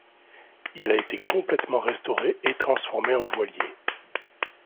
Il a été complètement restauré et transformé en voilier.